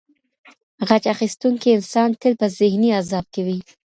غچ اخیستونکی انسان تل په ذهني عذاب کي وي.